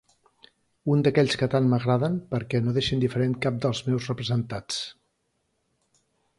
Un d'aquells que tant m'agraden, perquè no deixa indiferent cap dels meus representats.